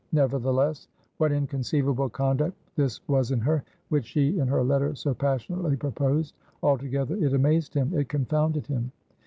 Nevertheless, what inconceivable conduct this was in her, which she in her letter so passionately proposed! Altogether, it amazed him; it confounded him.